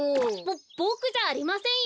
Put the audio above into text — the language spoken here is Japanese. ボボクじゃありませんよ！